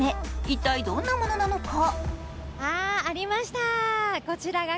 一体どんなものなのか？